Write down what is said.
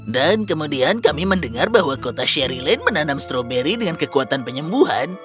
dan kemudian kami mendengar bahwa kota sherryland menanam stroberi dengan kekuatan penyembuhan